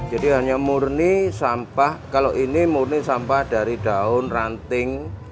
jadi hanya murni sampah kalau ini murni sampah dari daun ranting